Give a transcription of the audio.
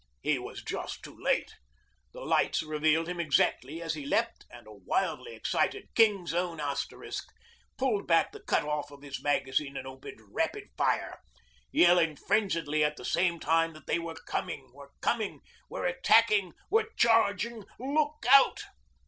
He was just too late. The lights revealed him exactly as he leapt, and a wildly excited King's Own Asterisk pulled back the cut off of his magazine and opened rapid fire, yelling frenziedly at the same time that they were coming were coming were attacking were charging look out!